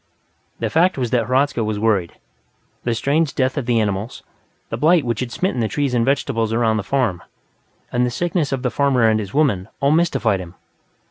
The fact was that Hradzka was worried. The strange death of the animals, the blight which had smitten the trees and vegetables around the farm, and the sickness of the farmer and his woman, all mystified him.